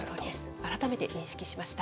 改めて認識しました。